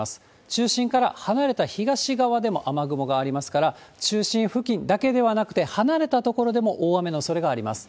中心から離れた東側でも雨雲がありますから、中心付近だけではなくて、離れた所でも大雨のおそれがあります。